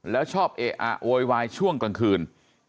แล้วชอบเอะอะโวยวายช่วงกลางคืน